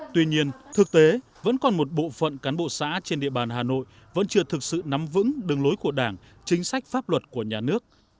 tuy nhiên thực tế vẫn còn một bộ phận cán bộ xã trên địa bàn hà nội vẫn chưa thực sự nắm vững đường lối của đảng chính sách pháp luật của nhà nước